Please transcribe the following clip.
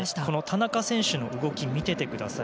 田中選手の動きを見ててください。